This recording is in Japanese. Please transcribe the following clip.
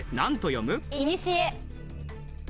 いにしえ。